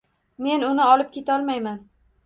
Men uni olib ketolmayman.